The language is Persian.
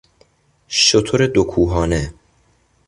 شتر دو کوهانه